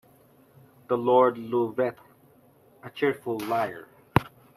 The Lord loveth a cheerful liar.